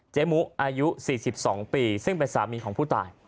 เจมุอายุสี่สิบสองปีซึ่งเป็นสามีของผู้ตาย